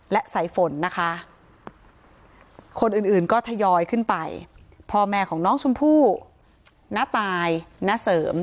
และสายฝนนะคะคนอื่นอื่นก็ทยอยขึ้นไปพ่อแม่ของน้องชมพู่ณตายณเสริม